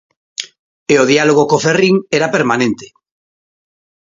E o diálogo co Ferrín era permanente.